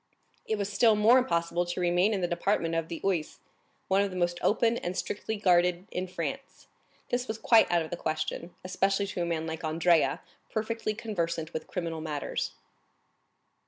It was still more impossible to remain in the department of the Oise, one of the most open and strictly guarded in France; this was quite out of the question, especially to a man like Andrea, perfectly conversant with criminal matters.